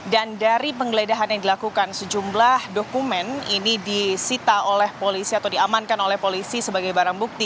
dan dari penggeledahan yang dilakukan sejumlah dokumen ini disita oleh polisi atau diamankan oleh polisi sebagai barang bukti